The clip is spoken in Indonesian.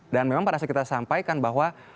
dan memang pada saat kita sampaikan bahwa